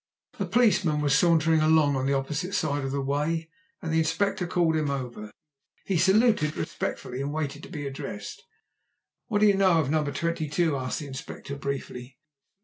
A policeman was sauntering along on the opposite side of the way, and the Inspector called him over. He saluted respectfully, and waited to be addressed. "What do you know of number 22?" asked the Inspector briefly.